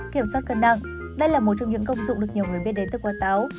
kiểm soát cân nặng đây là một trong những công dụng được nhiều người biết đến từ quả táo